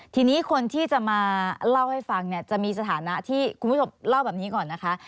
ทีนี้คนที่จะมาเล่าให้ฟังเนี่ยจะมีสถานะที่คุณผู้ชมเล่าแบบนี้ก่อนนะคะ